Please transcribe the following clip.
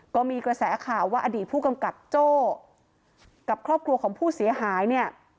ก็มีกระแสข่าวว่าอดีตผู้กำกับโจ้กับครอบครัวของผู้เสียหายเนี่ย